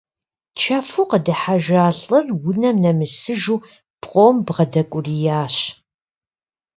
Чэфу къыдыхьэжа лӏыр унэм нэмысыжу пкъом бгъэдэкӏуриящ.